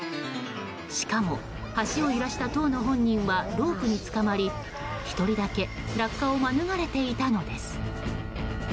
しかも橋を揺らした当の本人はロープにつかまり１人だけ落下を免れていたのです。